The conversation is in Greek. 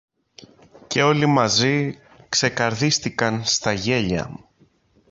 Και όλοι μαζί ξεκαρδίστηκαν στα γέλια.